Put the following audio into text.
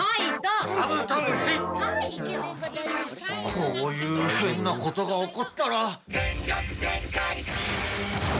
こういう変なことが起こったら。